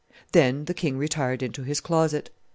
Then the king retired into his closet.